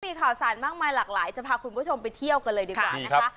มีข่าวสารมากมายหลากหลายจะพาคุณผู้ชมไปเที่ยวกันเลยดีกว่านะคะ